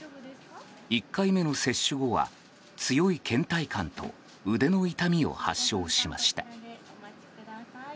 １回目の接種後は強い倦怠感と腕の痛みを発症しました。